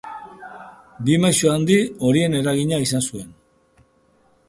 Bi maisu handi horien eragina izan zuen.